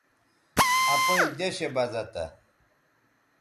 اپئیں دیشےبزہ تھہ